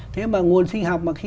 thế mà nguồn sinh học mà khi